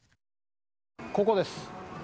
ここです。